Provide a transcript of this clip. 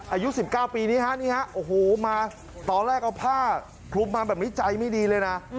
อายุ๑๙ปีนี้ครับตอนแรกเอาผ้าพลุกมาแบบนี้ใจไม่ดีเลยนะ